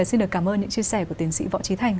xin được cảm ơn những chia sẻ của tiến sĩ võ trí thành